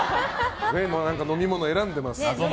飲み物選んでます。